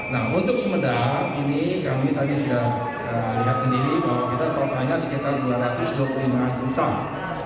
nah untuk sumedang ini kami tadi sudah lihat sendiri bahwa kita totalnya sekitar dua ratus dua puluh lima ribu ton